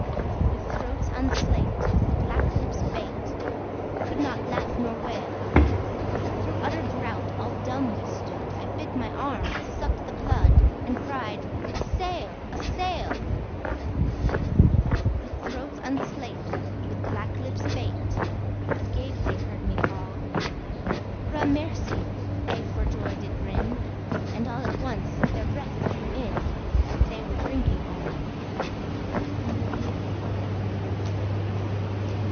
With throats unslaked, with black lips baked, We could not laugh nor wail; Through utter drought all dumb we stood! I bit my arm, I sucked the blood, And cried, A sail! a sail! With throats unslaked, with black lips baked, Agape they heard me call: Gramercy! they for joy did grin, And all at once their breath drew in, As they were drinking all.